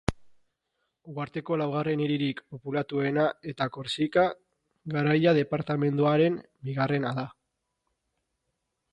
Uharteko laugarren hiririk populatuena eta Korsika Garaia departamenduaren bigarrena da.